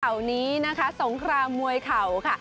ข่าวนี้นะคะสงครามมวยเข่าค่ะ